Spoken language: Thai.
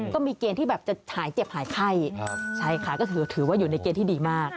ก็มีเกณฑ์ที่แบบจะหายเจ็บหายไข้ใช่ค่ะก็ถือว่าอยู่ในเกณฑ์ที่ดีมาก